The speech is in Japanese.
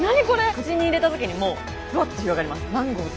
口に入れた時にもうバッと広がります。